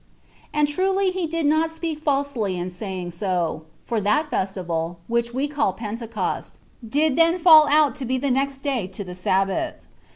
And truly he did not speak falsely in saying so; for that festival, which we call Pentecost, did then fall out to be the next day to the Sabbath.